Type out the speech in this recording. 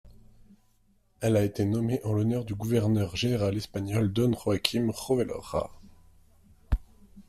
Elle a été nommée en l'honneur du gouverneur général espagnol Don Joaquín Jovellar.